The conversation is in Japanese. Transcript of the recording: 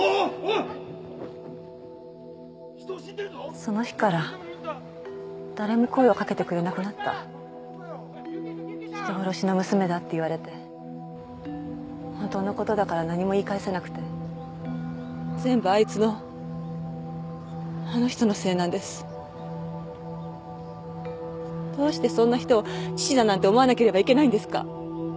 その日から誰も声をかけてくれなくなった「人殺しの娘だ」って言われて本当のことだから何も言い返せなくて全部あいつのあの人のせいなんですどうしてそんな人を父だなんて思わなければいけないんですか